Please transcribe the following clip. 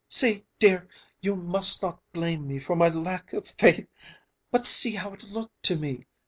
"See, dear, you must not blame me for my lack of faith... but see how it looked to me.